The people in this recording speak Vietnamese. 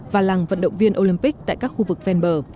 và làng vận động viên olympic tại các khu vực ven bờ